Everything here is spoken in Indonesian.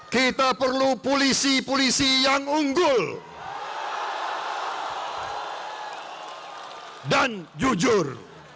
kita perlu polisi polisi yang unggul dan jujur